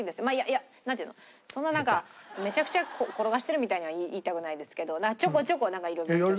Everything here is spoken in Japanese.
いやなんて言うのそんななんかめちゃくちゃ転がしてるみたいには言いたくないですけどちょこちょこいろいろ勉強して。